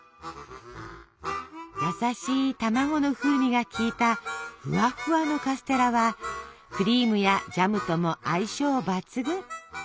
優しい卵の風味がきいたフワフワのカステラはクリームやジャムとも相性抜群。